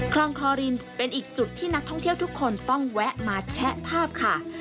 คลองคอรินเป็นอีกจุดที่นักท่องเที่ยวทุกคนต้องแวะมาแชะภาพค่ะ